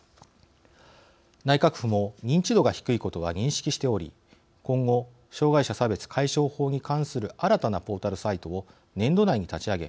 内閣府も認知度が低いことは認識しており今後障害者差別解消法に関する新たなポータルサイトを年度内に立ち上げ